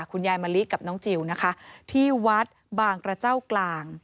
คุณยายมะลิกับน้องจิลที่วัดบางกระเจ้ากลาง